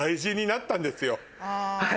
はい。